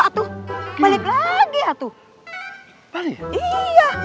kamu mengunai kerjaan besar panjaja